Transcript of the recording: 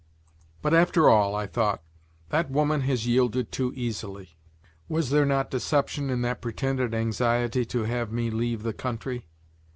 But, after all, I thought that woman has yielded too easily. Was there not deception in that pretended anxiety to have me leave the country?